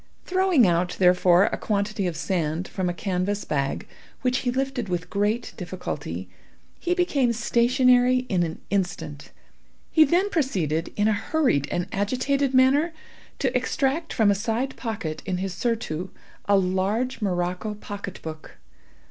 Throwing out, therefore, a quantity of sand from a canvas bag, which, he lifted with great difficulty, he became stationary in an instant. He then proceeded, in a hurried and agitated manner, to extract from a side pocket in his surtout a large morocco pocket book.